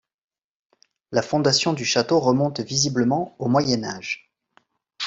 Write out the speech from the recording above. La fondation du château remonte visiblement au Moyen Âge.